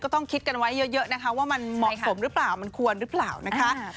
ต้องคิดกันไว้เยอะนะคะว่ามันเหมาะสมหรือเปล่ามันควรหรือเปล่านะคะ